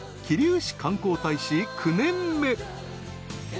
桐生市観光大使９年目］